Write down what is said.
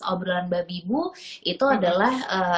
obrolan babi ibu itu adalah